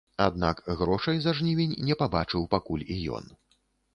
Аднак грошай за жнівень не пабачыў пакуль і ён.